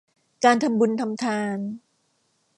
การทำบุญทำทาน